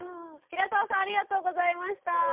平澤さんありがとうございました。